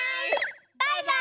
バイバーイ！